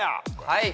はい。